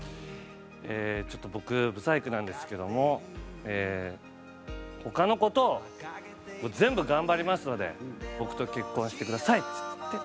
「ちょっと僕不細工なんですけども他の事を全部頑張りますので僕と結婚してください」っつって。